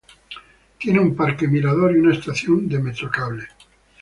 Tiene un Parque Mirador y una estación de Metrocable.